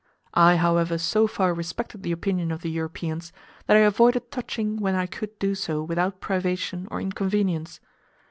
I, however, so far respected the opinion of the Europeans, that I avoided touching when I could do so without privation or inconvenience.